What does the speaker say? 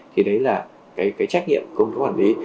thì đấy là trách nhiệm công tác quản lý